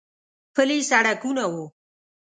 پلي سړکونه و.